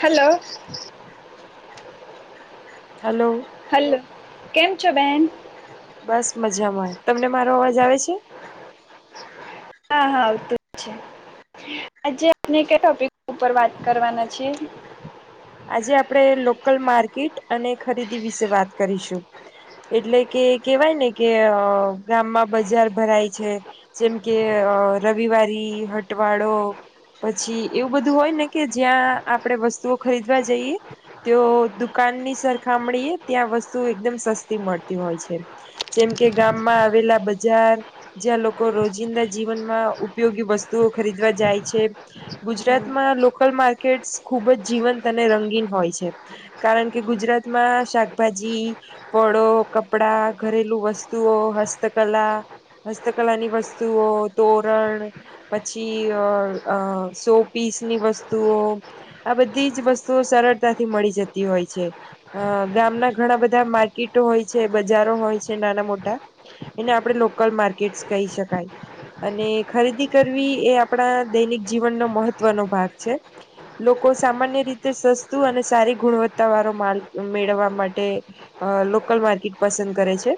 Hello. Hello. કેમ છો બેહેન? બસ મજામાં, તમને મારો અવાજ આવે છે? [unintelligible] હા, હા આવતું જ છે. આજે આપણે કયાં ટોપિક ઉપર વાત કરવાના છીએ? આજે આપણે લોકલ માર્કેટ અને ખરીદી વિશે વાત કરીશું. એટલે કે કેવાય ને કે અહ ગામમાં બજાર ભરાય છે, જેમ કે અહ રવિવારી હટવાડો પછી એવું બધું હોય ને કે જ્યાં આપડે વસ્તુઓ ખરીદવા જઈએ તેઓ દુકાન ની સરખામળીએ ત્યાં વસ્તુ એકદમ સસ્તી મળતી હોય છે, જેમ કે ગામમાં આવેલા બજાર જ્યાં લોકો રોજિંદા જીવનમાં ઉપયોગી વસ્તુઓ ખરીદવા જાય છે. ગુજરાતમાં લોકલ માર્કેટસ ખુબ જ જીવંત અને રંગીન હોય છે, કારણ કે ગુજરાતમાં શાકભાજી, ફળો, કપડા, ઘરેલું વસ્તુઓ, હસ્તકલા, હસ્તકલાની વસ્તુઓ, તોરણ પછી અહ અહ સો પીસની વસ્તુઓ આ બધી જ વસ્તુઓ સરળતાથી મળી જતી હોય છે. અહ ગામના ઘણા બધા માર્કેટો હોય છે, બજારો હોય છે નાના મોટા, એને આપણે લોકલ માર્કેટસ કહી શકાય અને ખરીદી કરવી એ આપણા દૈનિક જીવનનો મહત્વનો ભાગ છે. લોકો સામાન્ય રીતે સસ્તું અને સારી ગુણવત્તા વાળો માલ મેળવવા માટે અહ લોકલ માર્કેટ પસંદ કરે છે,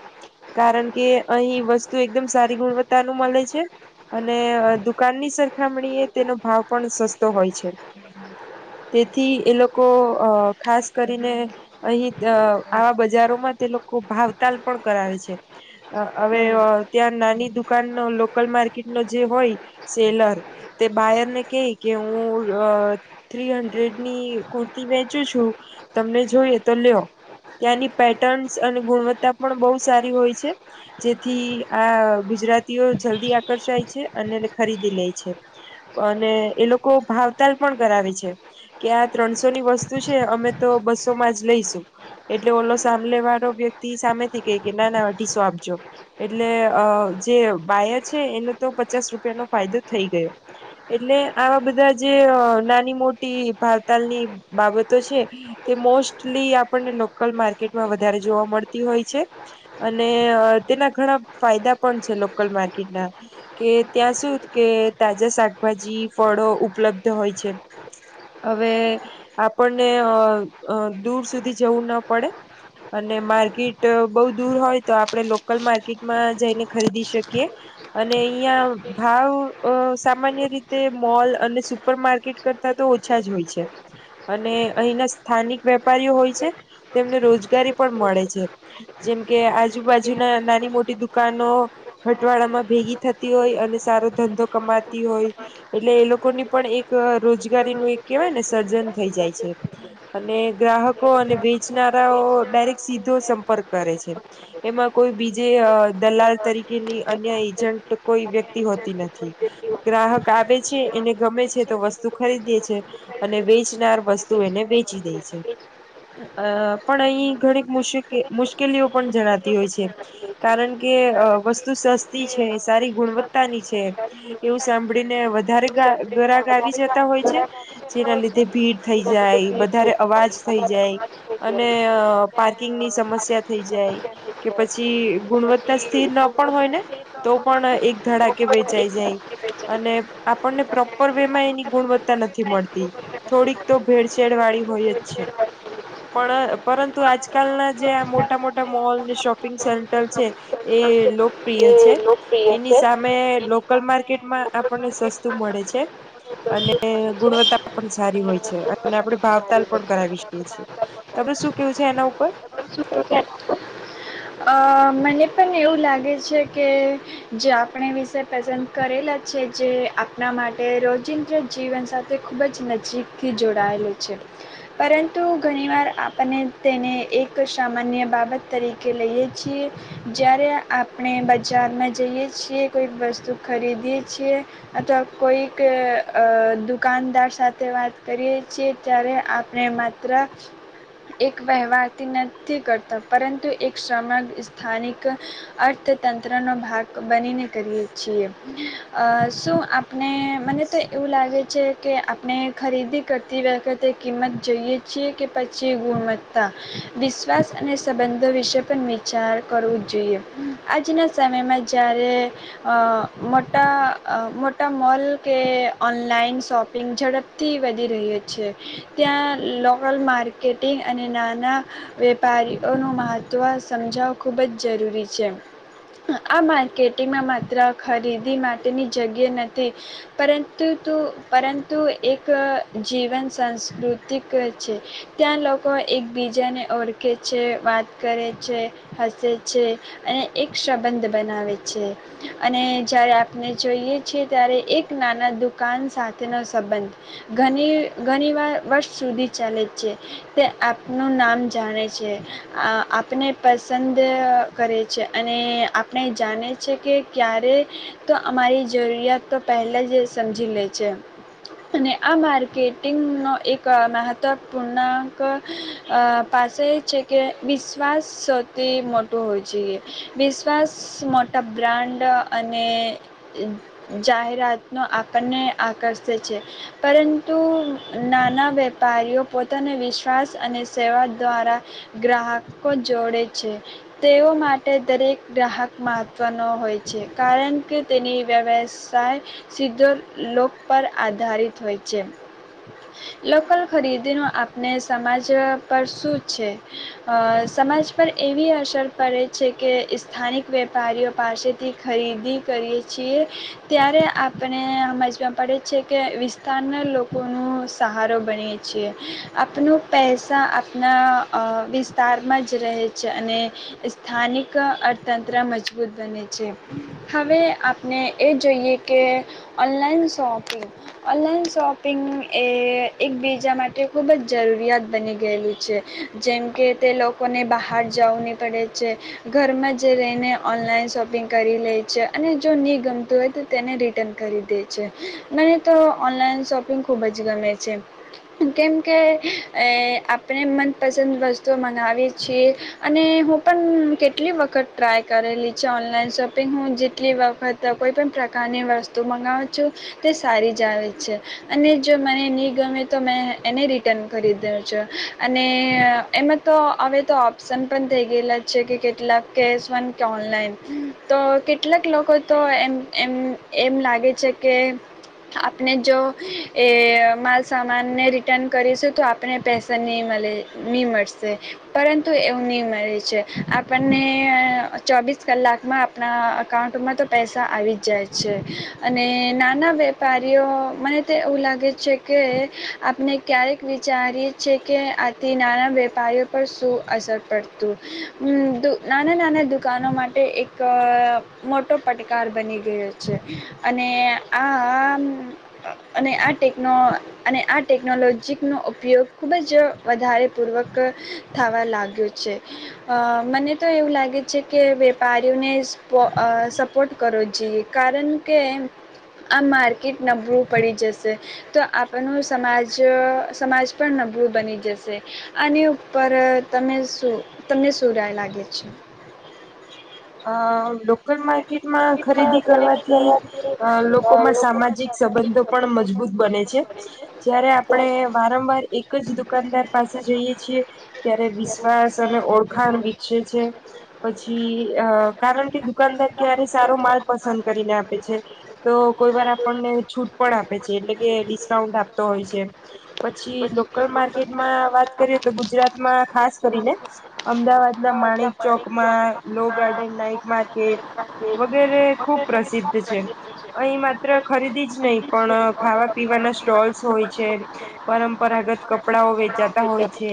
કારણ કે અહી વસ્તુ એકદમ સારી ગુણવત્તા નું મલે છે અને અહ દુકાનની સરખામણી એ તેનો ભાવ પણ સસ્તો હોય છે. તેથી એ લોકો અહ ખાસ કરીને અહી અહ આવા બજારોમાં તે લોકો ભાવતાલ પણ કરાવે છે, હ હવે ત્યાં નાની દુકાનનો લોકલ માર્કેટ નો જે હોય સેલર, તે બાયરને કેય કે હું અહ થ્રી હંડ્રેડ ની કુર્તી વેચું છું, તમને જોઈએ તો લ્યો. ત્યાંની પેટર્ન્સ અને ગુણવત્તા પણ બહુ સારી હોય છે, જેથી આ ગુજરાતીઓ જલ્દી આકર્ષાય છે, અને એને ખરીદી લેય છે અને એ લોકો ભાવતાલ પણ કરાવે છે. કે આ ત્રણસોની વસ્તુ છે અમે તો બસોમાં જ લઈશું, એટલે ઓલો સામલે વાળો વ્યક્તિ સામેથી ગઈ કે ના, ના અઢીસો આપજો એટલે જે બાયર છે એનો તો પચાસ રૂપિયાનો ફાયદો જ થઈ ગયો એટલે આવા બધા જે અહ નાની મોટી ટી ભાવતાલની બાબતો છે, તે મોસ્ટલી આપણને લોકલ માર્કેટમાં વધારે જોવા મળતી હોય છે, અને અહ તેના ઘણા ફાયદા પણ છે, લોકલ માર્કેટના, કે ત્યાં શું કે તાજા શાકભાજી, ફળો ઉપલબ્ધ હોય છે. હવે આપણને અહ દૂર સુધી જવું ના પડે અને માર્કિટ બહુ દૂર હોય તો, આપણે લોકલ માર્કિટમાં જઈને ખરીદી શકીએ, અને અહીંયા ભાવ અહ સામાન્ય રીતે મોલ અને સુપર માર્કેટ કરતાં તાં ઓછા જ હોય છે. અને અહીંના સ્થાનિક વેપારીઓ હોય છે, તેમને રોજગારી પણ મળે છે. જેમ કે આજુબાજુ ના નાની મોટી દુકાનો હટવાડામાં ભેગી થતી હોય, અને સારો ધંધો કમાતી હોય એટલે એ લોકોની પણ એક રોજ ગાર નું એક કહેવાય ને સર્જન થઈ જાય છે. અને ગ્રાહકો અને વેચનારાઓ ડાયરેક્ટ સીધો સંપર્ક કરે છે. એમાં કોઈ બીજે અહ દલાલ તરીકેની અન્ય એજન્ટ કોઈ વ્યક્તિ હોતી નથી. ગ્રાહક આવે છે એને ગમે છે તો વસ્તુ ખરીદ્યે છે, અને વેચનાર વસ્તુ એને વેચી દે છે, અહ પણ અહીં ઘણી મુશી મુશ્કેલીઓ પણ જણાતી હોય છે, કારણ કે અહ વસ્તુ સસ્તી છે, સારી ગુણવત્તાની છે, એવું સાંભળીને વધારે ગા ગરાક આવી જ છે જેના લીધે ભીડ થઈ જાય વધારે અવાજ થઈ જાય અને પાર્કિંગ ની સમસ્યા થઈ જાય. કે પછી ગુણવત્તા સ્થિર ના પણ હોય ને તો, પણ અ એક ધડાકે વેચાઈ જાય અને આપણને પ્રોપર વેમાં એની ગુણવત્તા નથી મળતી. થોડીક તો ભેળસેેડ વાળી હોય જ છે. પણ પરંતુ આજકાલના જે આ મોટા મોટા મોલ, શોપિંગ સેન્ટર છે, એ લોકપ્રિય છે. એની સામે લોકલ માર્કેટમાં આપણને સસ્તું મળે છે. અને ગુણવત્તા પણ સારી હોય છે અને આપણે ભાવતાલ પણ કરાવી શકીએ છીએ. તમે‌ શું કેવું છે આના ઉપર? મને પણ એવું લાગે છે કે જે આપણે વિષય પસંદ કરેલા છે, જે આપણા માટે રોજિંદા જીવન સાથે ખૂબ જ નજીકથી જોડાયેલું છે. પરંતુ ઘણીવાર આપણને તેને એક સામાન્ય બાબત તરીકે લઈએ છીએ જ્યારે આપણે બજારમાં જઈએ છીએ, કોઈક વસ્તુ ખરીદીએ છીએ, અથવા કોઈક અ દુકાનદાર સાથે વાત કરીએ છીએ, ત્યારે આપણે માત્ર એક વ્યવહારથી નથી કરતો પરંતુ, એક સમગ સ્થાનિક અર્થતંત્રનો ભાગ બનીને કરીએ છીએ. અ શું આપણે મને તો એવું લાગે છે કે, આપણે ખરીદી કરતી વખતે કિંમત જોઈએ છીએ કે પછી ગુણવત્તા. વિશ્વાસ અને સંબંધો વિશે પણ વિચાર કરવું જ જોઈએ. આજના સમયમાં જ્યારે અ મોટા મોટા મોલ કે ઓનલાઈન શોપિંગ ઝડપથી વધી રહ્યો છે. ત્યાં લોકાલ માર્કેટિંગ અને નાના વેપારીઓનું મહત્ત્વ સમજાવ ખૂબ જ જરૂરી છે. આ માર્કેટિંગમાં માત્ર ખરીદી માટેની જગ્યા નથી, પરંતુ તુ પરંતુ એક જીવન સાંસ્કૃતિક છે. ત્યાં લોકો એકબીજાને ઓળખે છે, વાત કરે છે હસે છે, અને એક સંબંધ બનાવે છે અને જ્યારે આપણે જોઈએ છીએ ત્યારે એક નાના દુકાન સાથેનો સંબંધ ઘણી ઘણી વાર વર્ષ સુધી ચાલે છે, તે આપનું નામ જાણે છે, આ આપને પસ પસંદ અ કરે છે અને આપણે જાણે છે કે, ક્યારે તો અમારી જરૂરિયાત તો પહેલા જ સમજી લે છે અને આ માર્કેટિંગનો એક મહત્ત્વપૂર્ણાંક અ પાસે એ છે કે વિશ્વાસ થી મોટું હોવુ જોઈએ. વિશ્વાસ મોટા બ્રાન્ડ અને જાહેરાતનો આપણને આકર્ષે છે. પરંતુ નાના વેપારીઓ પોતાનો વિશ્વાસ અને સેવા દ્વારા ગ્રાહકો જોડે છે. તેઓ માટે દરેક ગ્રાહક મહત્વનો હોય છે, કારણ કે તેની વ્યવસાય સીધો લોક પર આધારિત હોય છે. લોકલ ખરીદી નો આપણી સમાજ પર શું છે? સમાજ પર એવી અસર પડે છે, કે સ્થાનિક વેપારીઓ પાસેથી ખરીદી કરીએ છીએ ત્યારે આપણે હમજવા પડે છે કે, વિસ્તારના લોકોનો સહારો બનીએ છીએ, આપણ પૈસા આપણા અ વિસ્તારમાં જ રહે છે અને સ્થાનિક અર્થતંત્ર મજબૂત બને છે. હવે આપણે એ જોઈએ કે ઓનલાઈન શોપિંગ ઓનલાઈન શોપિંગ એ એકબીજા માટે ખૂબ જ જરૂરિયાત બની ગયેલું છે જેમકે તે લોકોને બહાર જ જવું નહી પડે છે. ઘરમાં જે રહીને ઓનલાઈન શોપિંગ કરી લે છે, અને જો નહીં ગમતું હોય તો તેને રિટર્ન કરી દે છે. મને તો ઓનલાઈન શોપિંગ ખૂબ જ ગમે છે. કેમકે અ આપણે મનપસંદ વસ્તુઓ મનાવીએ છીએ અને હું પણ કેટલી વખત ટ્રાય કરેલી છે ઓનલાઈન શોપિંગ. હું જેટલી વખત કોઈપણ પ્રકારની વસ્તુ મનાવું છું તે સારી જ આવે છે અને જો મને નહીં ગમે તો મેં એને રિટર્ન કરી દઉં છું. અને એમાં તો હવે તો ઓપ્શન પણ થઈ ગયેલા છે કે કેટલાક કેશ વન કે ઓનલાઈન તો કેટલાક લોકો તો એમ એમ એમ લાગે છે કે, આપણે જો એ માલસામાનને રિટર્ન કરીશું તો આપને પૈસા નહીં મળે ની મળશે પરંતુ તું એવું ની મળે છે. આપણને ચોવીસ કલાકમાં આપણાં અકાઉન્ટમાં તો પૈસા આવી જ જાય છે‌ અને નાના વેપારીઓ મને તો એવું લાગે છે કે આપણે ક્યારેક વિચારીએ છીએ કે આથી નાના વેપારીઓ પર શું અસર પડતું. નાના નાના દુકાનો માટે એક અ મોટો પડકાર બની ગયો છે અને આમ અને આ ટેકનો અને આ ટેકનોલોજીનો ઉપયોગ ખૂબ જ વધારેપૂર્વક થાય લાગ્યો છે. અ મને તો એવું લાગે છે કે વેપારીઓને સ અ સપોર્ટ કરવો જોઈએ. કારણ કે આ માર્કેટ નબળું પડી જશે, તો આપનનું સમાજ સમાજ પણ નબળું બની જશે આની ઉપર તમે શું તમને શું રાય લાગે છે? હ લો લોકલ માર્કેટમાં ખરીદી કરવાથી અ લોકોમાં સામાજિક સંબંધો પણ મજબૂત બને છે. જયારે આપણે વારંવાર એક જ દુકાનદાર પાસે જઈએ છીએ ત્યારે વિશ્વાસ અને ઓળખાણ વિકસે છે. પછી કારણકે, ક્યારે સારો માલ પસંદ કરીને આપે છે, તો કોઈ વાર આપણને છૂટ પણ આપે છે. એટલે કે ડિસ્કાઉન્ટ આપતો હોય છે પછી લોકલ માર્કેટમાં વાત કરીએ તો ગુજરાતમાં ખાસ કરીને અમદાવાદના માણેક ચોકમાં લો ગાર્ડન ના એક મા વગેરે ખુબ પ્રસિદ્ધ છે. અહીં માત્ર ખરીદી જ નહીં, પણ ખાવા પીવાના સ્ટોલ્સ હોય છે, પરંપરાગત કપડાઓ વેચાતા હોય છે,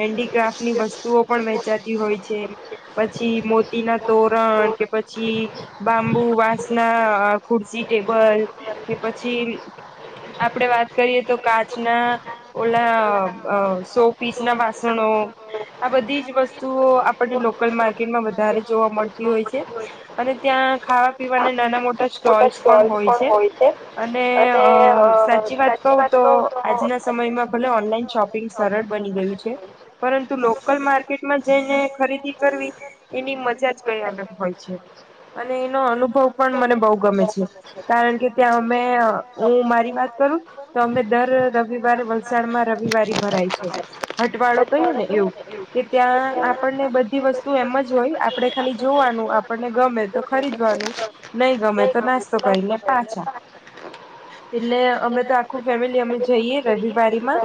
હેન્ડીક્રાફ્ટની વસ્તુઓ પણ વેચાતી હોય છે. પછી મો ના તોરણ કે પછી, બાંબુ વાંસના ખુરશી ટેબલ કે પછી, આપડે વાત કરીએ તો કાચના ઓલા સો પીસ ના વાસણો. આ બધી જ વસ્તુઓ આપને લોકલ માર્કેટમાં વધારે જોવા મળતી હોય છે અને ત્યાં ખાવા પીવાને નાના મોટા સ્ટોલ્સ પણ હોય છે. અને સાચી વાત કવું તો આજના સમયમાં ભલે ઓનલાઈન શોપિંગ સરળ બની ગયું છે, પરંતુ લોકલ માર્કેટમાં જેને ખરીદી કરવી એની મ હોય છે. અને એ પણ મને બહુ ગમે છે કારણ કે ત્યાં અમે હું મારી વાત કરું તો અમે દર રવિવારે વલસાડમાં રવિવારી ભરાય છે, હટવાળો કહીએ ને એવું કે ત્યાં આપણને બધી વસ્તુ એમ જ હોય આ આપડે ખાલી જોવાનું આપણને ગમે તો ખરીદવાનું. નહી. અમે તો નાસ્તો કરીને પાછા, એટલે અમે તો આખું ફેમિલી અમે જઈએ રવિવારીમાં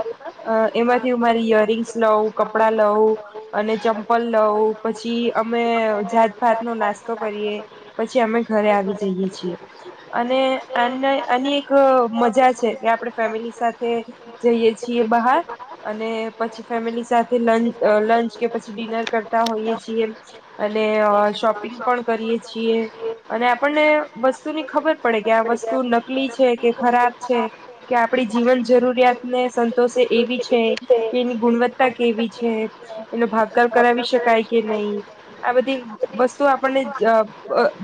એમાંથી અમારી યરિંગ્સ લઉ. કપડા લઉ અને ચંપલ લઉું પછી અ મે જા ભાત નો નાસ્તો કરીએ પછી અમે ઘરે આવી જઈએ છીએ. અને આની એક મજા છે કે આપણે ફેમિલી સાથે જઈએ છીએ બહાર અને પછી ફેમિલી સાથે લંચ કે પછી ડિનર કરતા હોઈએ છીએ. અને શોપિંગ પણ કરીએ છીએ અને આપણને વસ્તુની ખબર પડે કે આ વસ્તુ નકલી છે કે ખરાબ છે કે, આપડી જીવન જરૂરિયાતને સંતોષે એવી છે કે, એની ગુણવત્તા કેવી છે, એનો ભાવ તાલ કરાવી શકાય કે નહી. આ બધી વસ્તુ આપણને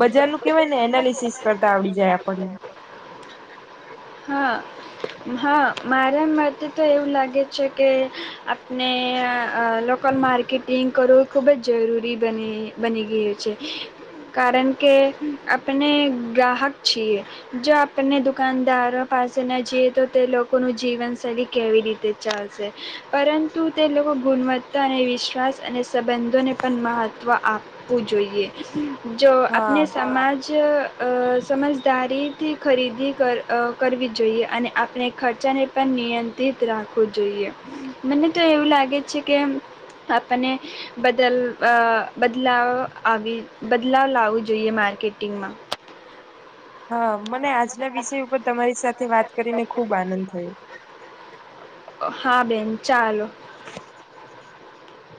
બજાર નું કેવાય ને એનાલિસિસ કરતા આવડી જાય આપણને. હા મારા માટે તો એવું લાગે છે કે આપણે લોકલ માર્કેટિંગ કરવું ખૂબ જ જરૂરી બની બની ગયું છે, કારણ કે આપણે ગ્રાહક છીએ જો આપણને દુકાનદારો. પાસે ના જઈએ તો. લોકોનું જીવનશૈલી કેવી રીતે ચાલશે પરંતુ તે લોકો ગુણવત્તા અને વિશ્વાસ અને સંબંધોને પણ મહત્ત્વ આપવું જોઈએ. જો આપણે સમમાજ. સમજદારીથી ખરીદી કર કરવી જોઈએ અને આપ ખર્ચાને પણ નિયંત્રિત રાખવું જોઈએ, મને તો એવું લાગે છે કે આપણને બદલ બદલાવ આવી બદલાવ લાવવો જોઈએ માર્કેટિંગમાં. હા મને આજના વિષય ઉપર તમારી સાથે વાત કરીને ખુબ આનંદ થયો. હા બેન ચાલો.